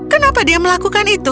kenapa dia melakukan itu